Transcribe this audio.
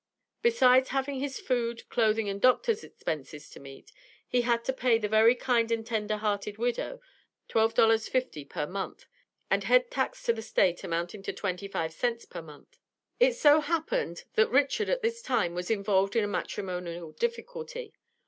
Besides having his food, clothing and doctor's expenses to meet, he had to pay the "very kind and tender hearted widow" $12.50 per month, and head tax to the State, amounting to twenty five cents per month. It so happened, that Richard at this time, was involved in a matrimonial difficulty.